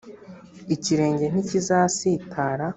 ikirenge ntikizasitara